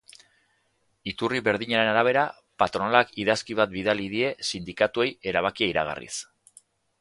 Iturri berdinaren arabera, patronalak idazki bat bidali die sindikatuei erabakia iragarriz.